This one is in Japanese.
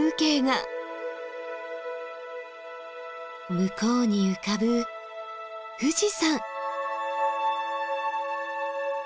向こうに浮かぶ富士山！